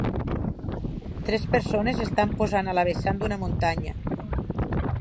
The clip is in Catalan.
Tres persones estan posant a la vessant d'una muntanya.